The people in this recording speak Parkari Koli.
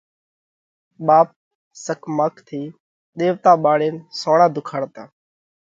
ٻاپ سڪماق ٿِي ۮيوَتا پاڙينَ سوڻا ڌُوکاڙتا۔